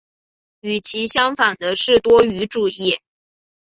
与其相反的是多语主义。